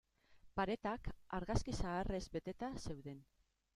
Paretak argazki zaharrez beteta zeuden.